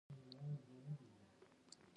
دا پروژه له افغانستان تیریږي